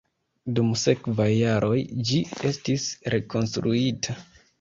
Dum sekvaj jaroj ĝi estis rekonstruita.